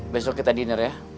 besok kita dinner ya